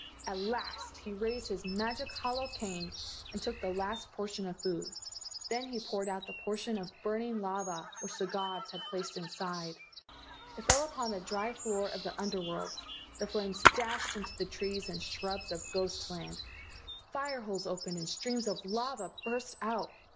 At last he raised his magic hollow cane and took the last portion of food. Then he poured out the portion of burning lava which the gods had placed inside. It fell upon the dry floor of the Under world. The flames dashed into the trees and the shrubs of ghost land. Fire holes opened and streams of lava burst out.